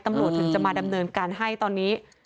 ถึงจะมาดำเนินการให้ตอนนี้